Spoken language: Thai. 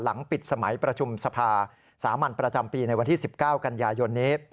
ปิดสมัยประชุมสภาสามัญประจำปีในวันที่๑๙กันยายนนี้